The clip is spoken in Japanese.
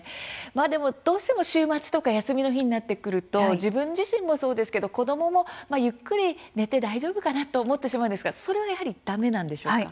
でもどうしても週末とか休みの日になってくると自分自身もそうですけど子どももゆっくり寝て大丈夫かなと思ってしまうんですがそれはやはりダメなんでしょうか。